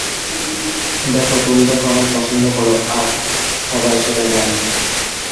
দেখো, তুমি তাকে অনেক পছন্দ করো আর সবাই সেটা জানে।